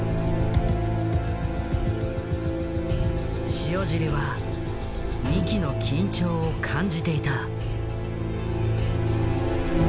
塩尻は三木の緊張を感じていた。